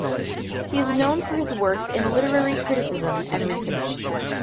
He is known for his works in literary criticism and research.